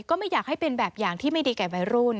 ก็ไม่อยากให้เป็นแบบอย่างที่ไม่ดีแก่วัยรุ่น